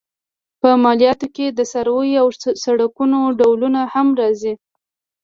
په مالیاتو کې د څارویو او سړکونو ډولونه هم راځي.